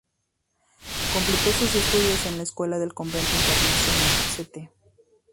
Completó sus estudios en la Escuela del Convento Internacional St.